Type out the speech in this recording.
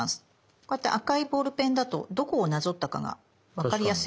こうやって赤いボールペンだとどこをなぞったかが分かりやすいと思います。